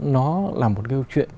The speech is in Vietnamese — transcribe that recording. nó là một cái câu chuyện